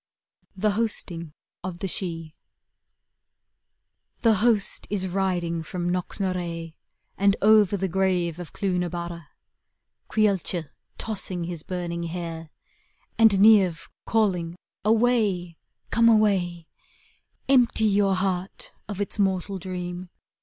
THE HOSTING OF THE SIDHE The host is riding from Knock?iarea, And over the grave of Clooth na bare ; Caolte tossing his burning hair, Aftd Niamh calling, ' Away, come away; Empty your heart of its mortal dream.